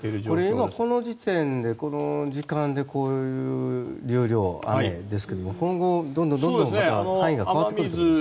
これは今この時点でこの時間でこういう流量雨ですけれど今後、どんどんまた範囲が変わってくると。